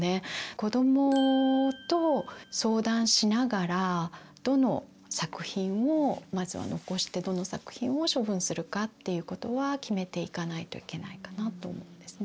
子どもと相談しながらどの作品をまずは残してどの作品を処分するかっていうことは決めていかないといけないかなと思うんですね。